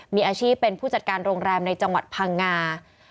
มีอาชีพเป็นผู้จัดการโรงแรมในจังหวัดพังงา